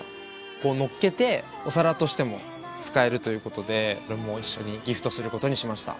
こう乗っけてお皿としても使えるということでこれも一緒にギフトすることにしました。